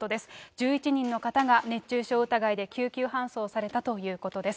１１人の方が熱中症疑いで救急搬送されたということです。